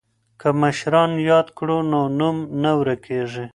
که مشران یاد کړو نو نوم نه ورکيږي.